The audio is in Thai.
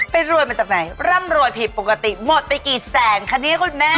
รวยมาจากไหนร่ำรวยผิดปกติหมดไปกี่แสนคะเนี่ยคุณแม่